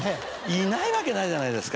いないわけないじゃないですか。